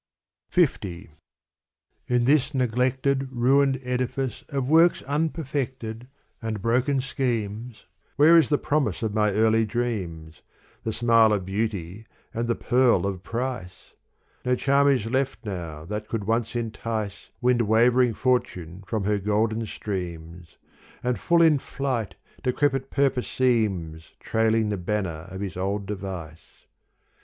In this neglected, ruined edifice Of works unperfected and broken schemes, Where is the promise of my early dreams, The smile of beauty and the pearl of price ? No charm is left now that could once entice Wind wavering fortune from her golden streams, And full in flight decrepit purpose seems Trailing the banner of his old device.